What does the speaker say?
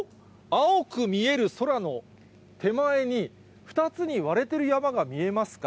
青く見える空の手前に、２つに割れてる山が見えますか。